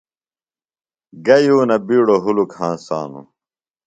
گہ یونہ بِیڈوۡ ہُلُک ہنسانوۡ؟